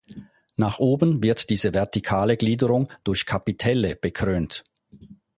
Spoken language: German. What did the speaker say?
Nach oben wird diese vertikale Gliederung durch Kapitelle bekrönt.